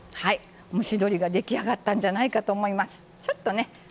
蒸し鶏が出来上がったんじゃないかと思います。